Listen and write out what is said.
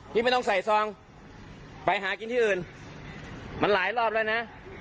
ไม่ต้องใส่ซองไปหากินที่อื่นมันหลายรอบแล้วนะ